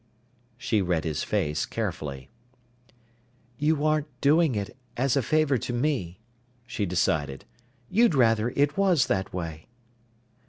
She read his face carefully. "You aren't doing it as a favor to me," she decided. "You'd rather it was that way."